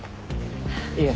いえ。